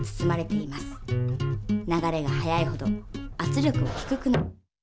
流れが速いほどあつ力は低くなり。